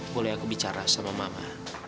boleh aku bicara sama mama